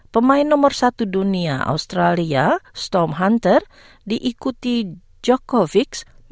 pemain nomor satu dunia australia storm hunter diikuti djokovic masuk ke sepuluh